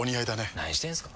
何してんすか。